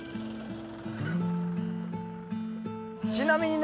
ちなみにね